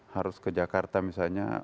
harus ke jakarta misalnya